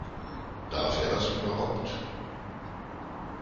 Darf er das überhaupt?